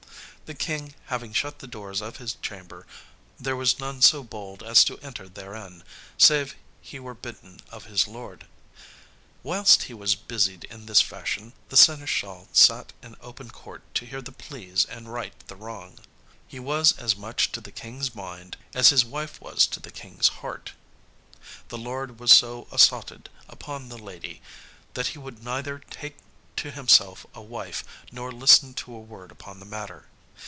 The King having shut the doors of his chamber, there was none so bold as to enter therein, save he were bidden of his lord. Whilst he was busied in this fashion, the seneschal sat in open court to hear the pleas and right the wrong. He was as much to the King's mind, as his wife was to the King's heart. The lord was so assotted upon the lady that he would neither take to himself a wife, nor listen to a word upon the matter.